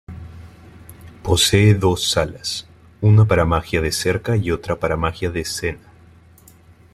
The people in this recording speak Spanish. Posee dos salas, una para magia de cerca y otra para magia de escena.